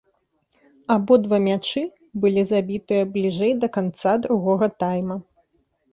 Абодва мячы былі забітыя бліжэй да канца другога тайма.